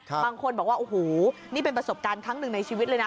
บางคนบอกว่าโอ้โหนี่เป็นประสบการณ์ครั้งหนึ่งในชีวิตเลยนะ